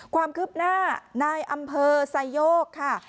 ความคืบหน้านายอำเภอไซโยกค่ะ